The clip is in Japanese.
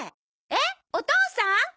えっお父さん？